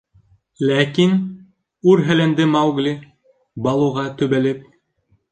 Ләкин, — үрһәләнде Маугли, Балуға төбәлеп.